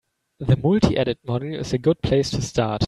The multi-edit module is a good place to start.